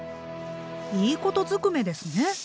いいことずくめですね。